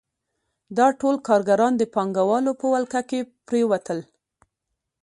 دا ټول کارګران د پانګوالو په ولکه کې پرېوتل